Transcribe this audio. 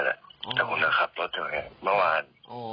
แต่ขุนอ่ะครับเพราะว่าเมื่อวาน